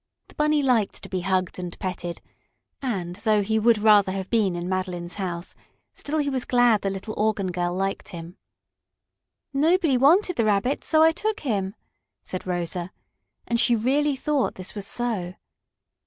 The Bunny liked to be hugged and petted, and, though he would rather have been in Madeline's house, still he was glad the little organ girl liked him. "Nobody wanted the Rabbit, so I took him," said Rosa, and she really thought this was so.